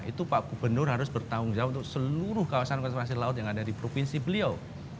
itu pak gubernur harus bertanggung jawab untuk seluruh kawasan konservasi laut yang ada di provinsi beliau